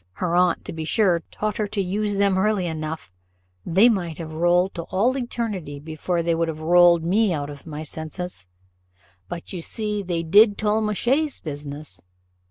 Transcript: her aunt, to be sure, taught her the use of them early enough: they might have rolled to all eternity before they would have rolled me out of my senses; but you see they did Tollemache's business.